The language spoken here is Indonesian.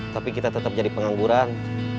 tapi kita tetap jadi pengangguran